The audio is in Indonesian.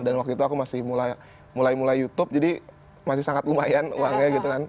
dan waktu itu aku masih mulai youtube jadi masih sangat lumayan uangnya gitu kan